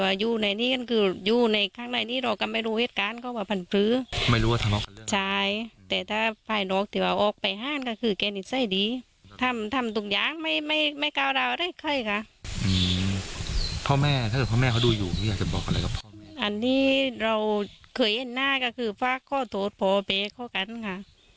อันนี้เราเคยเห็นหน้าก็คือว่าข้อโทษพอไปข้อกันค่ะ